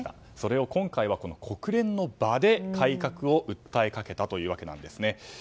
それを今回は国連の場で改革を訴えかけたということです。